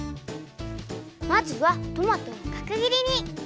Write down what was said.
まずはトマトをかくぎりに。